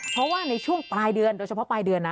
เพราะว่าในช่วงปลายเดือนโดยเฉพาะปลายเดือนนะ